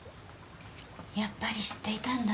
やっぱり知っていたんだ。